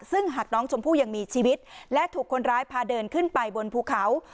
ซึ่งหากน้องชมพู่ยังมีชีวิตและถูกคนร้ายพาเดินขึ้นไปบนภูเขา